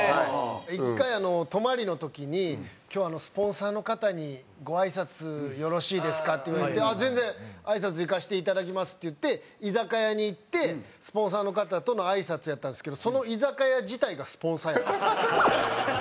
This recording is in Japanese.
１回泊まりの時に「今日スポンサーの方にごあいさつよろしいですか？」って言われて「全然あいさつ行かせていただきます」って言って居酒屋に行ってスポンサーの方とのあいさつやったんですけどその居酒屋自体がスポンサーやったんです。